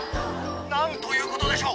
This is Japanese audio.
・・何ということでしょう